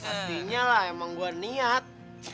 pastinya lah emang gue niat